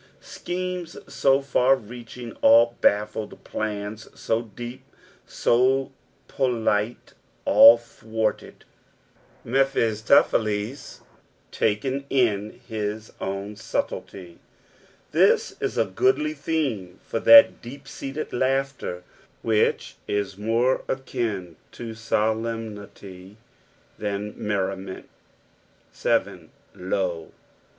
Schemes so far reaching all baffled, plans SO deep, so politic, all thwarted. Mephistopheles outwitted, the old serpent token in his own subtlety. This is a goodly theme for that deep seated laughter which is more akin to solemnity than merriment. 7. " Lo."